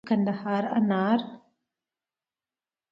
د کندهار انار